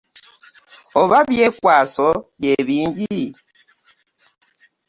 Oba byekwaso bye bingi?